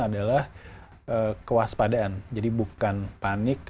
adalah kewaspadaan jadi bukan panik